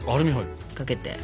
かけて。